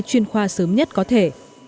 chuyên khoa sớm nhất có thể